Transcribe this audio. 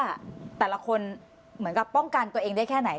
แล้วก็เหมือนกับแต่ละคนมันก็ป้องกันตัวเองได้แค่ไหน